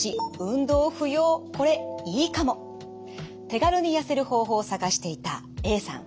手軽に痩せる方法を探していたＡさん。